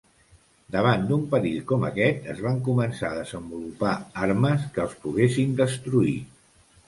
Davant d'un perill com aquest es van començar a desenvolupar armes que els poguessin destruir.